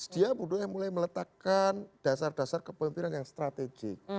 dia mulai meletakkan dasar dasar kepemimpinan yang strategik